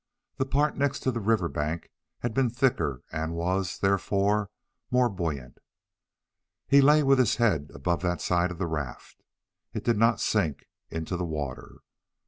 The part next to the river bank had been thicker and was, therefore, more buoyant. He lay with his head above that side of the raft. It did not sink into the water.